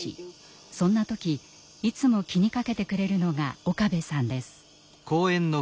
そんな時いつも気にかけてくれるのが岡部さんです。